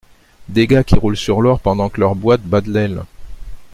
Des gars qui roulent sur l’or pendant que leur boîte bat de l’aile